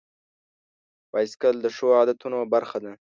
بایسکل د ښو عادتونو برخه ده.